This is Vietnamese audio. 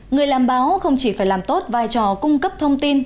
người làm báo không chỉ phải làm tốt vai trò cung cấp thông tin